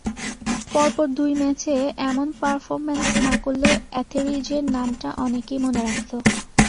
পরপর দুই ম্যাচে এমন পারফরম্যান্স না করলেও এথেরিজের নামটা অনেকেই মনে রাখত।